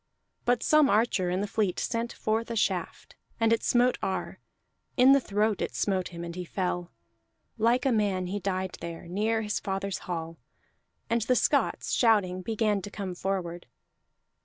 But some archer in the fleet sent forth a shaft, and it smote Ar; in the throat it smote him, and he fell. Like a man he died there, near his father's hall; and the Scots, shouting, began to come forward.